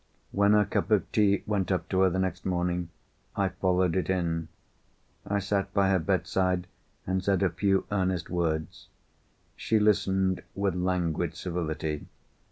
When her cup of tea went up to her the next morning, I followed it in. I sat by her bedside and said a few earnest words. She listened with languid civility.